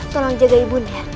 tolong jaga ibunya